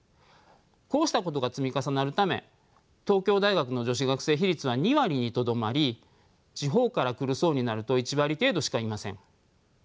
こうしたことが積み重なるため東京大学の女子学生比率は２割にとどまり地方から来る層になると１割程度しかいません。